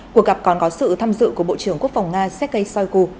cuộc gặp còn có sự tham dự của bộ trưởng quốc phòng nga sergei shoigu